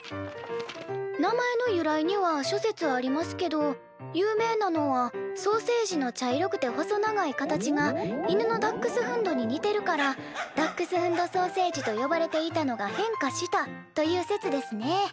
名前の由来には諸説ありますけど有名なのは「ソーセージの茶色くて細長い形が犬のダックスフンドに似てるからダックスフンド・ソーセージと呼ばれていたのが変化した」という説ですね。